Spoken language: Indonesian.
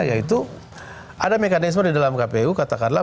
yaitu ada mekanisme di dalam kpu katakanlah